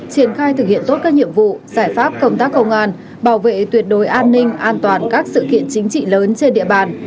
triển khai thực hiện tốt các nhiệm vụ giải pháp công tác công an bảo vệ tuyệt đối an ninh an toàn các sự kiện chính trị lớn trên địa bàn